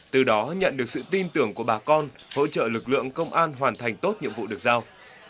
từ đó nhận được sự tin tưởng của bà con hỗ trợ lực lượng công an hoàn thành tốt nhiệm vụ được giao